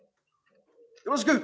よろしく！